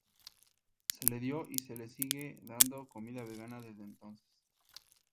Se le dio y se le sigue dando comida vegana desde entonces.